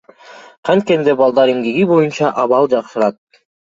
Канткенде балдар эмгеги боюнча абал жакшырат?